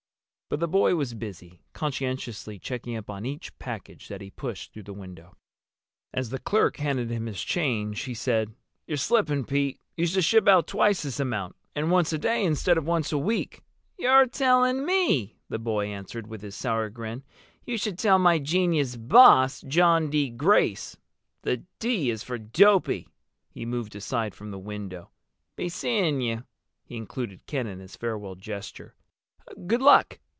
But the boy was busy, conscientiously checking up on each package that he pushed through the window. As the clerk handed him his change he said, "You're slipping, Pete. Used to ship out twice this amount—and once a day instead of once a week." "You're telling me!" the boy answered, with his sour grin. "You should tell my genius boss—John D. Grace. The D is for dopey." He moved aside from the window. "Be seeing you!" He included Ken in his farewell gesture. "Good luck!"